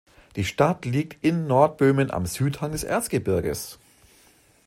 Die Stadt liegt in Nordböhmen am Südhang des Erzgebirges.